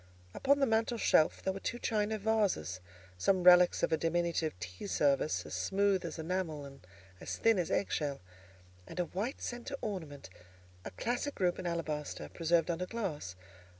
Upon the mantel shelf there were two china vases, some relics of a diminutive tea service, as smooth as enamel and as thin as egg shell, and a white centre ornament, a classic group in alabaster, preserved under glass.